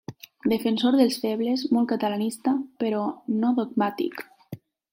Defensor dels febles, molt catalanista, però no dogmàtic.